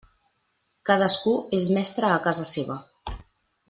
Cadascú és mestre a casa seva.